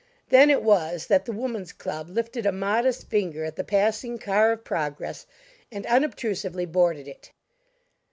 Then it was that the Woman's Club lifted a modest finger at the passing car of progress, and unobtrusively boarded it.